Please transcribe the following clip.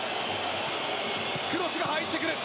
クロスが入ってくる。